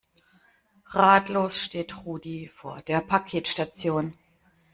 Ratlos steht Rudi vor der Paketstation.